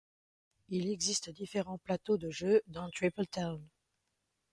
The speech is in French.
Il existe différents plateaux de jeu dans Triple Town.